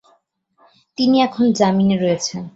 তিনি এখন জামিনে রয়েছেন।